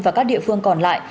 và các địa phương còn lại